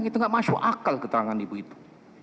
itu nggak masuk akal keterangan ibu itu